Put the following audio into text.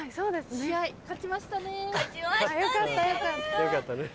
試合勝ちましたねぇ。